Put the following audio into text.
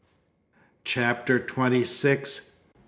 CHAPTER TWENTY SIX.